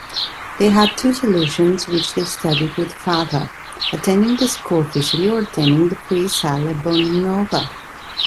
They had two solutions which they studied with father: attending the School officially or attending the free Salle Bonanova.